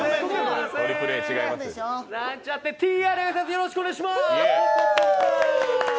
よろしくお願いします。